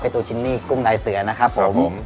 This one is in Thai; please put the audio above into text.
ให้ตัวชิ้นนี่กุ้งไรเสืือนะครับครับผม